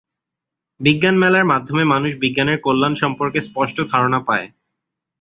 বিজ্ঞান মেলার মাধ্যমে মানুষ বিজ্ঞানের কল্যাণ সম্পর্কে স্পষ্ট ধারণা পায়।